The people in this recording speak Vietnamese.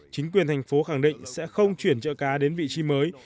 chính quyền thành phố khẳng định sẽ không chuyển chợ cá đến vị trí mới